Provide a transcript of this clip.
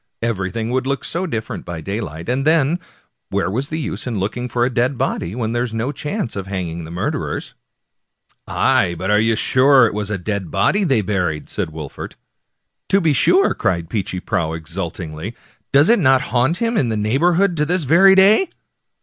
everything would look so different by daylight. And then, where was the use of looking for a dead body when there was no chance of hanging the murderers ?"" Aye, but are you sure it was a dead body they buried ?'* said Wolfert. " To be sure," cried Peechy Prauw exultingly. " Does it not haunt in the neighborhood to this very day